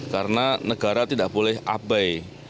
karena negara tidak boleh abai